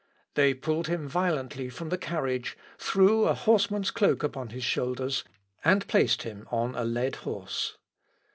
They pulled him violently from the carriage, threw a horseman's cloak upon his shoulders, and placed him on a led horse.